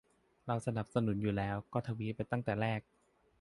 เราสนับสนุนอยู่แล้ว ก็ทวีตไปตั้งแต่แรก